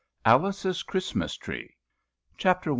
ALICE'S CHRISTMAS TREE. CHAPTER I.